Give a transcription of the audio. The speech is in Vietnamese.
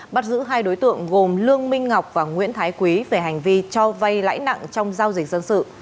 bắt giữ hai đối tượng gồm lương minh ngọc và nguyễn thái quý về hành vi cho vay lãi nặng trong giao dịch dân sự